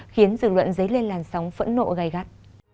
khiến dư luận dấy lên làn sóng phẫn nộ gây gắt